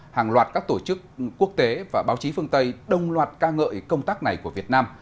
hàng loạt các tổ chức quốc tế và báo chí phương tây đồng loạt ca ngợi công tác này của việt nam